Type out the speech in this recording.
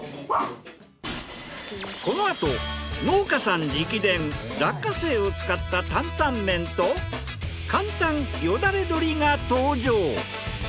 このあと農家さん直伝落花生を使った坦々麺と簡単よだれ鶏が登場。